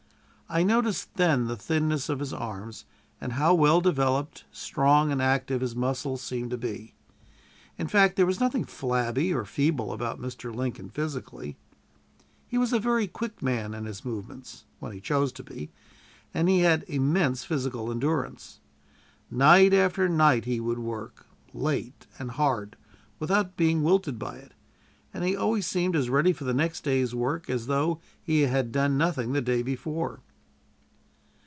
I noticed then the thinness of his arms, and how well developed, strong, and active his muscles seemed to be. In fact, there was nothing flabby or feeble about Mr. Lincoln physically. He was a very quick man in his movements when he chose to be, and he had immense physical endurance. Night after night he would work late and hard without being wilted by it, and he always seemed as ready for the next day's work as though he had done nothing the day before.